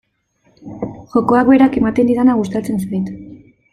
Jokoak berak ematen didana gustatzen zait.